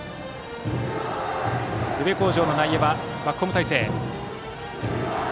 宇部鴻城の内野はバックホーム態勢。